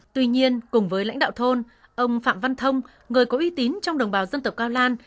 tuy nhiên cùng với lãnh đạo thôn ông phạm văn thông người có uy tín trong đồng bào dân tộc cao lan